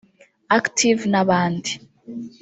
Active n’abandi